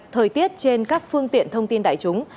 thời tiết trên các phương tiện thông tin đại chúng